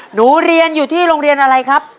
หนูเรียนอยู่ที่โรงเรียนอะไรครับ